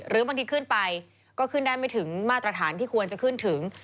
หรือบางทีขึ้นไปก็ขึ้นได้ไม่ถึงมาตรฐานที่ควรจะขึ้นถึง